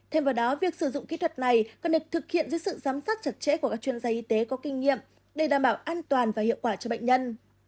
thêm vào đó việc sử dụng kỹ thuật này còn được thực hiện dưới sự giám sát chặt chẽ của các chuyên gia y tế có kinh nghiệm để đảm bảo an toàn và hiệu quả cho bệnh nhân